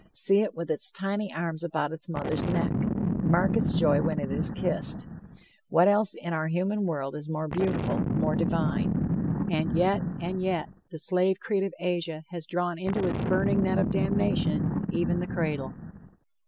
See it with its tiny arms about its mother's neck. Mark its joy when it is kissed. What else in our human world is more beautiful, more divine? And yet, and yet, the slave creed of Asia has drawn into its burning net of damnation even the cradle.